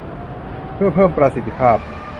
เพื่อเพิ่มประสิทธิภาพ